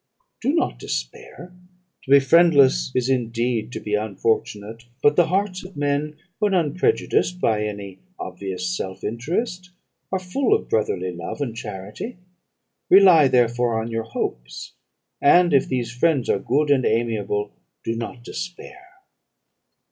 "'Do not despair. To be friendless is indeed to be unfortunate; but the hearts of men, when unprejudiced by any obvious self interest, are full of brotherly love and charity. Rely, therefore, on your hopes; and if these friends are good and amiable, do not despair.'